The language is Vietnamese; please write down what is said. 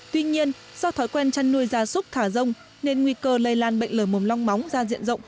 tuy nhiên do thói quen chăn nuôi gia súc thả rông nên nguy cơ lây lan bệnh lờ mồm long móng ra diện rộng